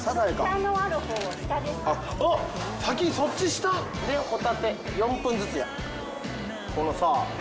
先そっち下⁉ホタテ４分ずつや。